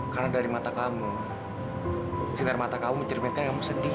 karena dari mata kamu sinar mata kamu mencerminkan kamu sedih